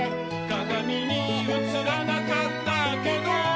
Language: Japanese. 「かがみにうつらなかったけど」